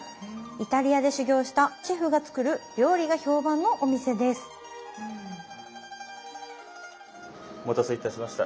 イタリアで修業したシェフが作る料理が評判のお店ですお待たせいたしました。